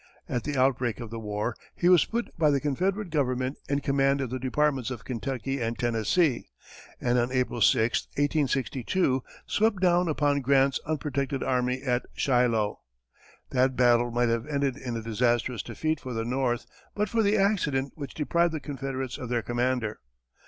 At the outbreak of the war, he was put by the Confederate government in command of the departments of Kentucky and Tennessee, and on April 6, 1862, swept down upon Grant's unprotected army at Shiloh. That battle might have ended in a disastrous defeat for the North but for the accident which deprived the Confederates of their commander.